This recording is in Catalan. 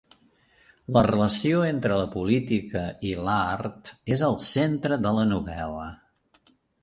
La relació entre la política i l'art és el centre de la novel·la.